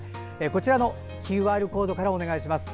こちらのＱＲコードからお願いします。